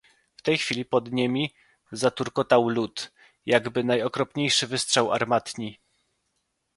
"W tej chwili pod niemi zaturkotał lód, jakby najokropniejszy wystrzał armatni."